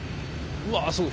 うわすごい。